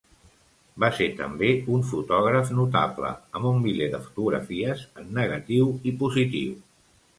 Va ser també un fotògraf notable, amb un miler de fotografies en negatiu i positiu.